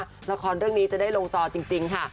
ละครเรื่องนี้จะได้ลงจอจริงค่ะ